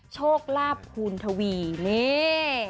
โชคลาภภูณทวีนี่